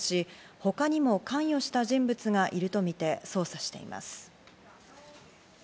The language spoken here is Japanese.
他にも関与した人物がいるとみて捜査しています。